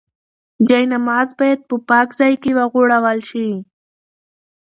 جاینماز باید په پاک ځای کې وغوړول شي.